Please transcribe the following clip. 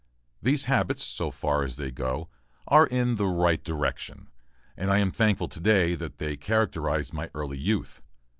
These habits, so far as they go, are in the right direction, and I am thankful to day that they characterized my early youth.